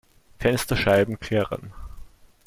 Fensterscheiben klirren.